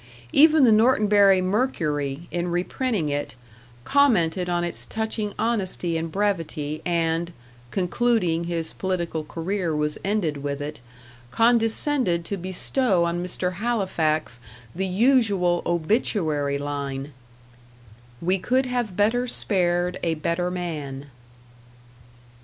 Even the Norton Bury Mercury, in reprinting it, commented on its touching honesty and brevity, and concluding his political career was ended with it condescended to bestow on Mr. Halifax the usual obituary line "We could have better spared a better man."